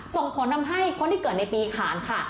ส่งผลทำให้คนที่เกิดในปีขานค่ะ